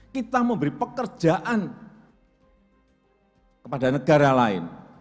kita mau beri pekerjaan kepada negara lain